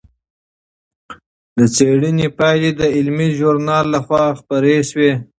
د څېړنې پایلې د علمي ژورنال لخوا خپرې شوې.